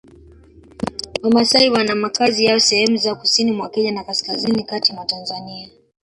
Wamasai wana makazi yao sehemu za Kusini mwa Kenya na Kaskazini kati mwa Tanzania